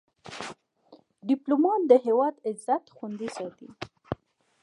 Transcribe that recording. ډيپلومات د هیواد عزت خوندي ساتي.